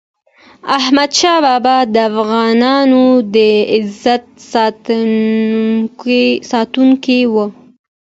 احمد شاه بابا د افغانانو د عزت ساتونکی و.